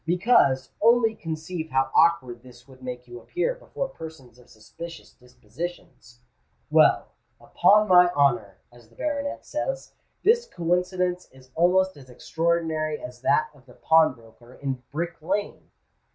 Because, only conceive how awkward this would make you appear before persons of suspicious dispositions. Well—upon my honour, as the baronet says—this coincidence is almost as extraordinary as that of the pawnbroker in Brick Lane."